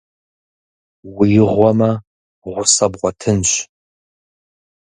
Уи гъуэмэ, гъусэ бгъуэтынщ.